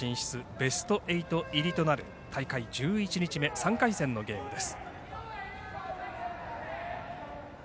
ベスト８入りとなる大会１１日目３回戦のゲームです。